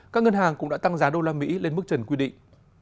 các ngân hàng cũng đã tăng giá đô la mỹ lên mức trần quy định